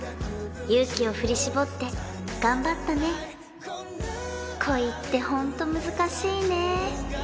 勇気を振り絞って頑張ったね恋ってホント難しいね